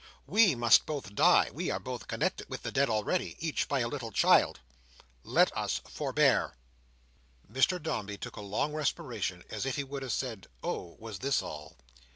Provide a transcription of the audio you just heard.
We must both die; we are both connected with the dead already, each by a little child. Let us forbear." Mr Dombey took a long respiration, as if he would have said, Oh! was this all!